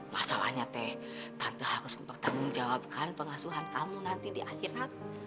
masalahnya tante harus mempertanggungjawabkan pengasuhan kamu nanti di akhirat